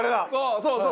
そうそう！